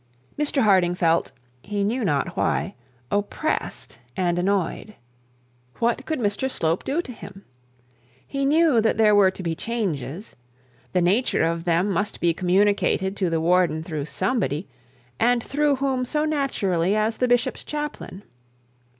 Mr Harding felt, he knew not why, oppressed and annoyed. What could Mr Slope do to him? He knew that there were to be changes. The nature of them must be communicated to the warden through somebody, and through whom so naturally as the bishop's chaplain.